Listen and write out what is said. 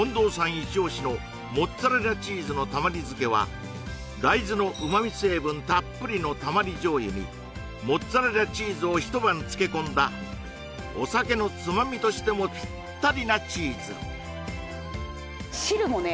イチオシのモッツァレラチーズのたまり漬けは大豆の旨味成分たっぷりのたまり醤油にモッツァレラチーズを一晩漬け込んだお酒のつまみとしてもピッタリなチーズ汁もね